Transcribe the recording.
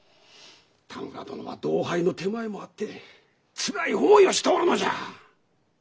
多村殿は同輩の手前もあってつらい思いをしておるのじゃ。